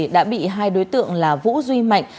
đã bị hai đối tượng là vũ duy mạnh